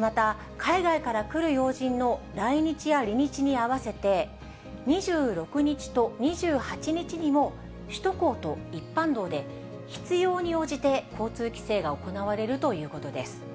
また海外から来る要人の来日や離日に合わせて、２６日と２８日にも首都高と一般道で必要に応じて交通規制が行われるということです。